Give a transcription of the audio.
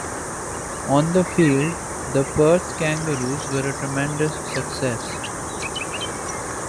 On the field, the Perth Kangaroos were a tremendous success.